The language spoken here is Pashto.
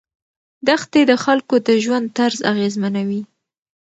دښتې د خلکو د ژوند طرز اغېزمنوي.